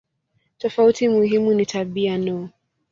Tofauti muhimu ni tabia no.